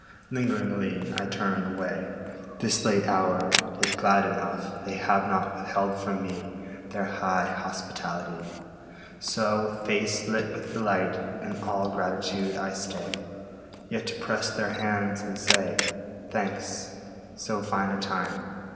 Lingeringly I turn away, This late hour, yet glad enough They have not withheld from me Their high hospitality. So, with face lit with delight And all gratitude, I stay Yet to press their hands and say, "Thanks. So fine a time